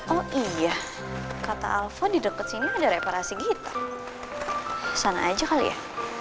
oh iya kata alva di deket sini ada reparasi gitu sana aja kali ya